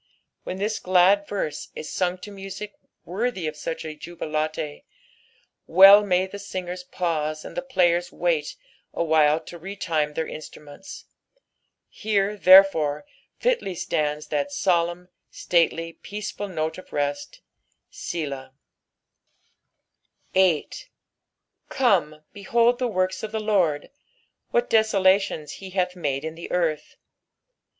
When this glad verse is sung to music worthy of such a jubilate, well may the singers pause and the players wait awhile to retune their instruments ; here, therefore, fitly stands that solemn, stately, peaceful note of rest, Bblab. 8 Come, behold the works of the LORD, what desolations he hath made in the earth.